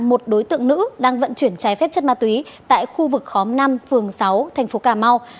một đối tượng nữ đang vận chuyển trái phép chất ma túy tại khu vực khóm năm phường sáu thành phố cà mau